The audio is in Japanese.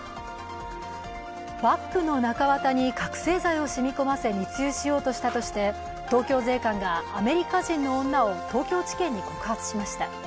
バッグの中綿に覚醒剤をしみ込ませ、密輸しようとしたとして東京税関がアメリカ人の女を東京地検に告発しました。